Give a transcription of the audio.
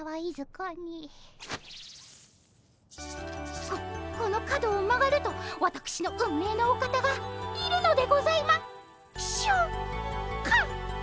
ここの角を曲がるとわたくしの運命のお方がいるのでございましょうか。